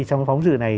trong cái phóng dự này